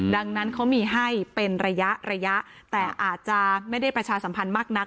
ดังนั้นเขามีให้เป็นระยะระยะแต่อาจจะไม่ได้ประชาสัมพันธ์มากนัก